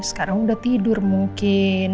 sekarang udah tidur mungkin